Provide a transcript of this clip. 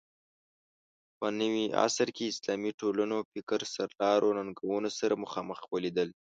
په نوي عصر کې اسلامي ټولنو فکر سرلارو ننګونو سره مخامخ ولیدل